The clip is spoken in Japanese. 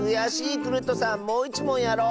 クルットさんもういちもんやろう！